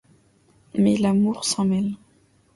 Mais l'amour s'en mêle.